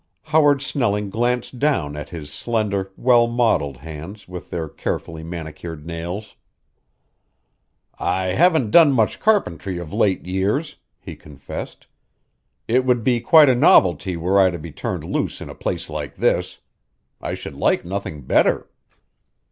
Howard Snelling glanced down at his slender, well modelled hands with their carefully manicured nails. "I haven't done much carpentry of late years," he confessed. "It would be quite a novelty were I to be turned loose in a place like this. I should like nothing better."